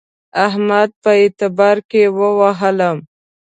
احمد په اعتبار کې ووهلم.